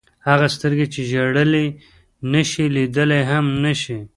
هغه سترګې چې ژړلی نه شي لیدلی هم نه شي.